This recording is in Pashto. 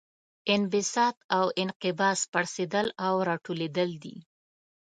انبساط او انقباض پړسیدل او راټولیدل دي.